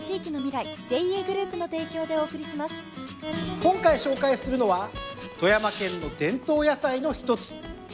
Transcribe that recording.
今回紹介するのは富山県の伝統野菜の一つ。